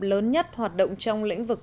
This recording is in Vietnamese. lớn nhất hoạt động trong lĩnh vực